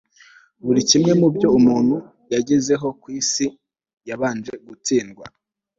Buri kimwe mubyo umuntu yagezeho ku isi yabanje gutsindwa